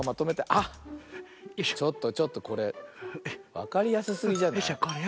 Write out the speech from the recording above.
あっちょっとちょっとこれわかりやすすぎじゃない？